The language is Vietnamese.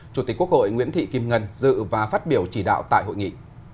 chủ tịch quốc hội nguyễn thị kim ngân dự và phát biểu chỉ đạo tại hội nghị